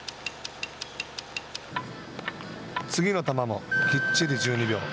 次の球もきっちり１２秒。